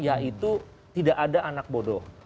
yaitu tidak ada anak bodoh